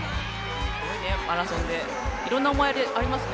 マラソンでいろんな思いでありますね